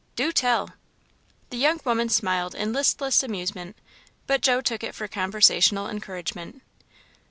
"Do tell!" The young woman smiled in listless amusement, but Joe took it for conversational encouragement.